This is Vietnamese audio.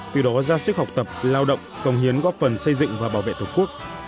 từ đó ra sức học tập lao động công hiến góp phần xây dựng và bảo vệ tổ quốc